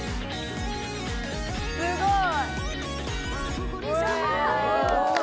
すごい！